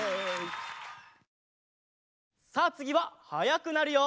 さあつぎははやくなるよ。